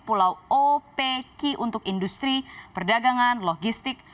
pulau o p ki untuk industri perdagangan logistik